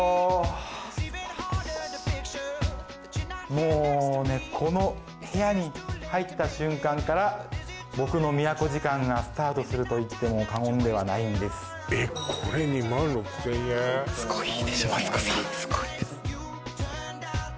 もうねこの部屋に入った瞬間から僕の宮古時間がスタートすると言っても過言ではないんですすごいいいでしょマツコさん